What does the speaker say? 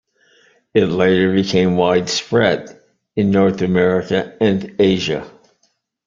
It later became widespread in North America and Asia.